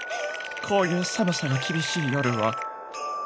こういう寒さが厳しい夜は。